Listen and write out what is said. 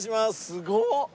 すごっ！